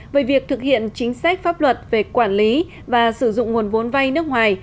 về việc thực hiện chính sách pháp luật về quản lý và sử dụng nguồn vốn vay nước ngoài